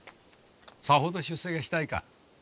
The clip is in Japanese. さほど出世がしたいか？